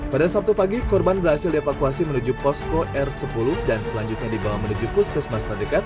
pada sabtu pagi korban berhasil dievakuasi menuju posko r sepuluh dan selanjutnya dibawa menuju puskesmas terdekat